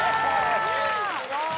・すごい！